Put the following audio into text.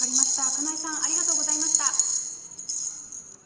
金井さん、ありがとうございました。